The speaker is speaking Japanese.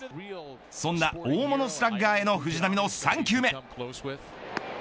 そんな大物スラッガーへの藤浪の３球目。